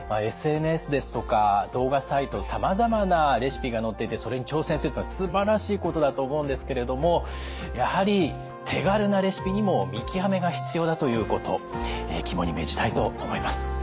ＳＮＳですとか動画サイトさまざまなレシピが載っていてそれに挑戦するのはすばらしいことだと思うんですけれどもやはり手軽なレシピにも見極めが必要だということ肝に銘じたいと思います。